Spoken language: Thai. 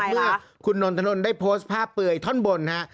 เมื่อคุณนนทนนท์ได้โพสต์ภาพเปลือยท่อนบนฮะ